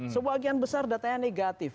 sebagian besar datanya negatif